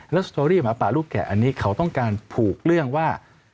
แล้วสตอรี่หมาป่าลูกแก่อันนี้เขาต้องการผูกเรื่องว่า